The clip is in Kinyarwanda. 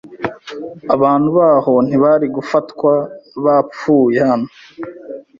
Abantu baho ntibari gufatwa bapfuye hano.